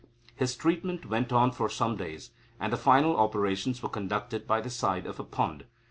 His treatment went on for some days, and the final operations were conducted by the side of a pond.